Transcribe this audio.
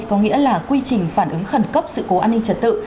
có nghĩa là quy trình phản ứng khẩn cấp sự cố an ninh trật tự